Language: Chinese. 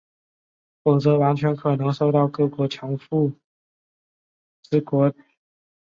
否则完全可能受到各强富之国的干预制裁。